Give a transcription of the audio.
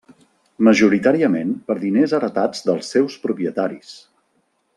Majoritàriament per diners heretats dels seus propietaris.